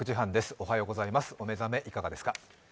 お目覚めいかがですか？